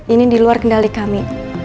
ini di luar kendali kami